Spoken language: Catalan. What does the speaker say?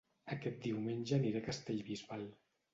Aquest diumenge aniré a Castellbisbal